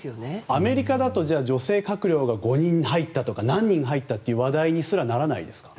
アメリカだと女性閣僚が５人入ったとか何人入ったとかの話題にすらならないですか？